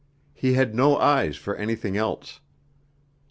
He had no eyes for anything else.